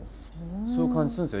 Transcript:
そういう感じするんですよ